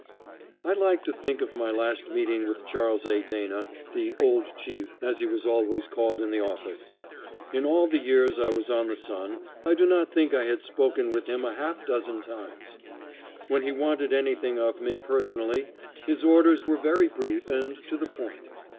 I like to think of my last meeting with Charles A. Dana, the "Old Chief" as he was always called in the office. In all the years I was on the Sun I do not think I had spoken with him a half dozen times. When he wanted anything of me personally, his orders were very brief and to the point.